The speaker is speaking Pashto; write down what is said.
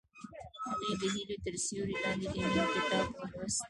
هغې د هیلې تر سیوري لاندې د مینې کتاب ولوست.